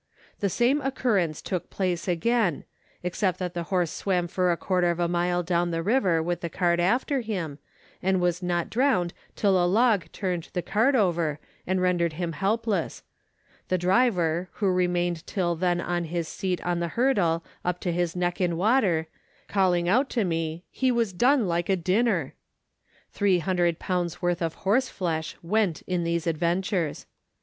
The same occurrence took place again, except that the horse swam for a quarter of a mile down the river with the cart after him, and was not drowned till a log turned the cart over and rendered him helpless the driver, who remained till then on his seat on the hurdle up to his neck in water, calling out to me " he was done like a dinner." Three hundred pounds worth of horse flesh went in these adventures.